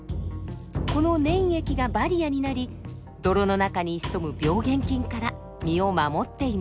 この粘液がバリアになり泥の中に潜む病原菌から身を守っています。